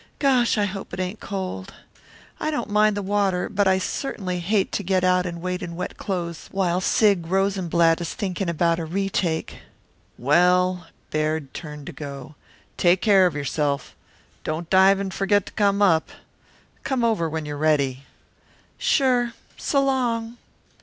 Gosh, I hope it ain't cold. I don't mind the water, but I certainly hate to get out and wait in wet clothes while Sig Rosenblatt is thinking about a retake." "Well" Baird turned to go "take care of yourself don't dive and forget to come up. Come over when you're ready." "Sure! S'long!"